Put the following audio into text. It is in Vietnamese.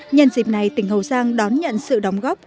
nhân dịp này tỉnh hậu giang đón nhận sự đóng góp